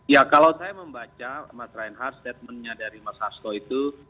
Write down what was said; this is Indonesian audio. ya kalau saya membaca statementnya dari mas hasto itu